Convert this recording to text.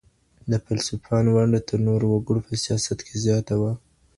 د فيلسوفانو ونډه تر نورو وګړو په سياست کي زياته وه.